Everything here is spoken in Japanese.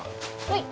はい。